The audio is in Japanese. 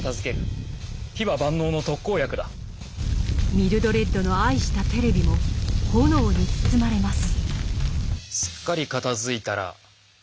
ミルドレッドの愛したテレビも炎に包まれます。